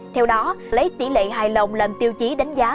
theo đó lấy tỷ lệ hài lòng làm tiêu chí đánh giá